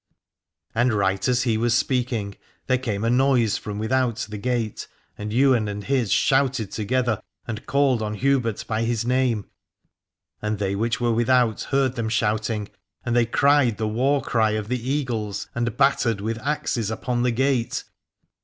And right as he was speaking there came a noise from without the gate, and Ywain and his shouted together and called on Hubert by his name. And they which were without heard them shouting, and they cried the war cry of the Eagles, and battered with axes upon the gate.